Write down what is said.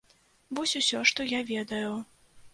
Вось усё, што я ведаю.